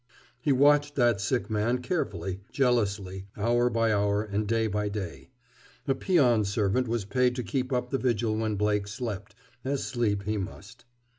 He watched that sick man carefully, jealously, hour by hour and day by day. A peon servant was paid to keep up the vigil when Blake slept, as sleep he must.